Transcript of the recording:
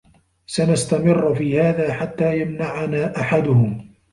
سنستمر في هذا حتى يمنعنا أحدهم.